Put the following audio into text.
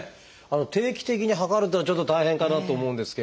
定期的に測るっていうのはちょっと大変かなと思うんですけれど。